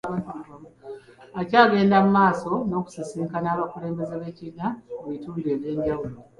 Akyagenda mu maaso n'okusisinkana abakulembeze b'ekibiina mu bitundu ebyenjawulo .